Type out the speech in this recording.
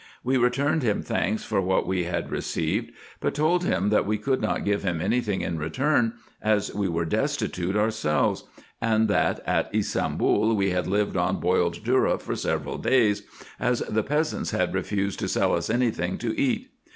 We re turned him thanks for what we had received, but told him, that we could not give him any thing in return, as we were destitute 216 RESEARCHES AND OPERATIONS ourselves, and that at Ybsambul we had lived on boiled dhourra for several days, as the peasants had refused to sell us any thing to eat.